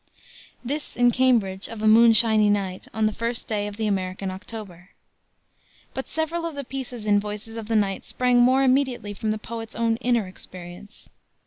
This in Cambridge, of a moonshiny night, on the first day of the American October. But several of the pieces in Voices of the Night sprang more immediately from the poet's own inner experience.